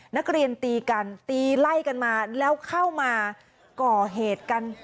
นักเรียนตีกันตีไล่กันมาแล้วเข้ามาก่อเหตุกัน